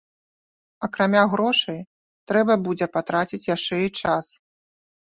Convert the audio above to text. Акрамя грошай, трэба будзе патраціць яшчэ і час.